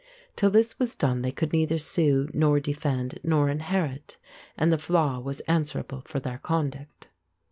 Till this was done, they could neither sue nor defend nor inherit, and the flaith was answerable for their conduct.